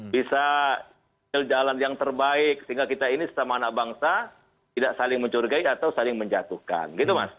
bisa jalan yang terbaik sehingga kita ini sesama anak bangsa tidak saling mencurigai atau saling menjatuhkan gitu mas